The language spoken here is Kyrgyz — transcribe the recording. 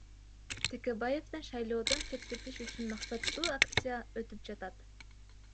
Текебаевдин шайлоодон четтетиш үчүн максаттуу акция өтүп атат.